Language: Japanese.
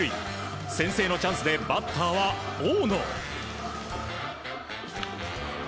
先制のチャンスでバッターは大野。